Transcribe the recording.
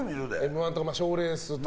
「Ｍ‐１」とか賞レースとか。